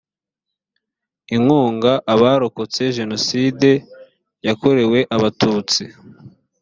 inkunga abarokotse jenoside yakorewe abatutsi